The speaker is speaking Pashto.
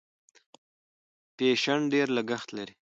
فیشن ډېر لګښت لري.